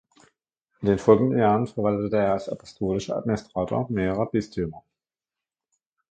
In den folgenden Jahren verwaltete er als Apostolischer Administrator mehrere Bistümer.